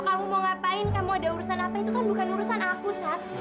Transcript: kamu mau ngapain kamu ada urusan apa itu kan bukan urusan aku kan